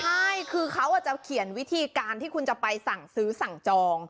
ใช่คือเขาอาจจะเขียนวิธีการที่คุณจะไปสั่งซื้อสั่งจอง